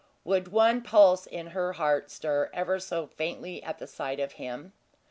Would one pulse in her heart stir ever so faintly at sight of him?